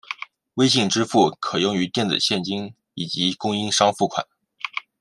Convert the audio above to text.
微信支付可用于电子现金以及供应商付款。